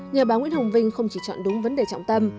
nhà báo nguyễn hồng vinh không chỉ chọn đúng vấn đề trọng tâm